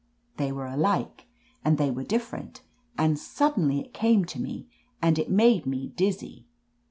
They were alike, and they were different, and suddenly it came to me, and it made me dizzy.